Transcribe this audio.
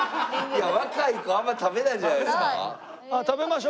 いや若い子あんまり食べないんじゃないですか？